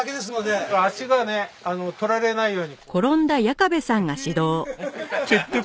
足がね取られないようにスッとこう。